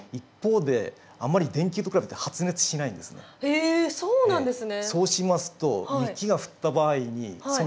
へえそうなんですね。